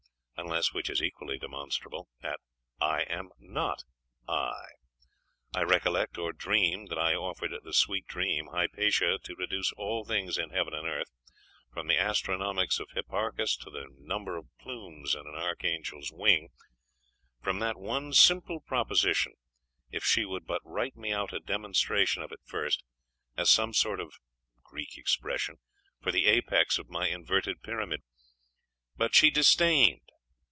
unless which is equally demonstrable at "I am not I." I recollect or dream that I offered that sweet dream, Hypatia, to deduce all things in heaven and earth, from the Astronomics of Hipparchus to the number of plumes in an archangel's wing, from that one simple proposition, if she would but write me out a demonstration of it first, as some sort of [Greek expression] for the apex of my inverted pyramid. But she disdained....